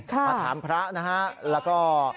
มาถามพระแล้วก็